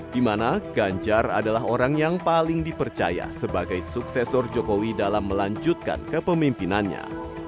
di mana ganjar adalah orang yang paling dipercaya sebagai suksesor jokowi dalam melanjutkan kepemimpinannya